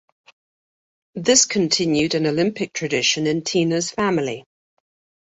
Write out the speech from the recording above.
This continued an Olympic tradition in Tina's family.